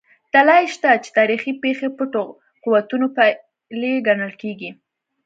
دلایل شته چې تاریخي پېښې پټو قوتونو پایلې ګڼل کېږي.